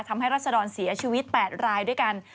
รัศดรเสียชีวิต๘รายด้วยกัน